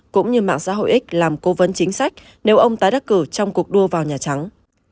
cũng như mạng xã hội x làm cố vấn chính sách nếu ông tái đắc cử trong cuộc đua vào nhà trắng